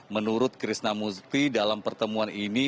menurut krishnamurti dalam pertemuan ini